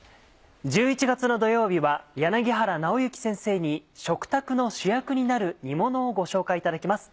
１１月の土曜日は柳原尚之先生に食卓の主役になる煮ものをご紹介いただきます。